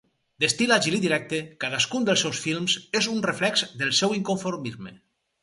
D'estil àgil i directe, cadascun dels seus films és un reflex del seu inconformisme.